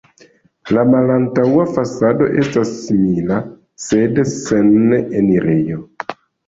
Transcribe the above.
La malantaŭa fasado estas simila, sed sen enirejo.